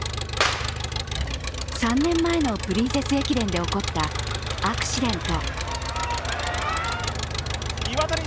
３年前のプリンセス駅伝で起こったアクシデント。